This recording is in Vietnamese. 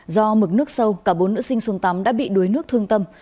do mực nước sâu cả bốn nữ sinh xuống tắm đã bị đuối nước thương tâm